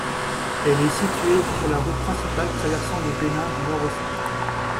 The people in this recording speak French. Elle est située sur la route principale traversant le Bénin du nord au sud.